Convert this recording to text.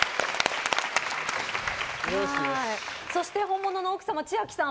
そして本物の奥様ちあきさん